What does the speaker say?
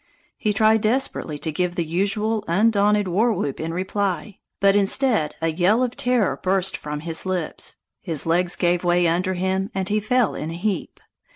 He tried desperately to give the usual undaunted war whoop in reply, but instead a yell of terror burst from his lips, his legs gave way under him, and he fell in a heap.